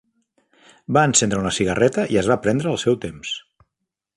Va encendre una cigarreta i es va prendre el seu temps.